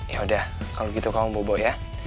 yaudah kalau gitu kamu bobo ya